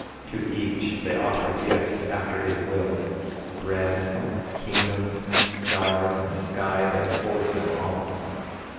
To each they offer gifts after his will, Bread, kingdoms, stars, and sky that holds them all.